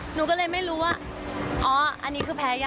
หนูก็เลยไม่รู้ว่าอ๋ออันนี้คือแพ้ยาก